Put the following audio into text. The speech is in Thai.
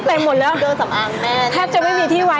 เขาจะมีเครื่องนี้อยู่ในที่ใจ